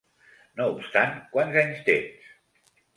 No obstant, quants anys tens?